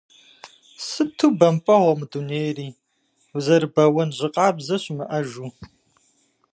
Сыту бэмпӏэгъуэ мы дунейри, узэрыбэуэн жьы къабзэ щымыӏэжу…